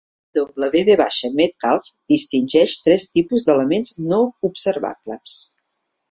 W. V. Metcalf distingeix tres tipus d'elements no observables.